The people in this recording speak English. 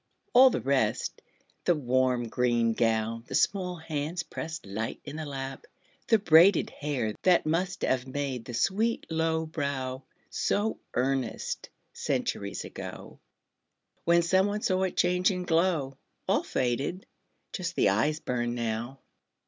All the rest The warm green gown, the small hands pressed Light in the lap, the braided hair That must have made the sweet low brow So earnest, centuries ago, When some one saw it change and glow All faded! Just the eyes burn now.